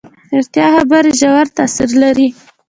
ریښتیا خبرې ژور تاثیر لري.